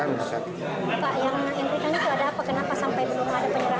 pak yang ingin ditanya itu ada apa kenapa sampai belum ada penyelenggaraan